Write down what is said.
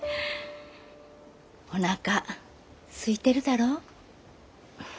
おなかすいてるだろう？